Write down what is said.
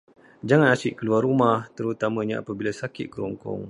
Jangan asyik keluar rumah, terutamanya apabila sakit kerongkong.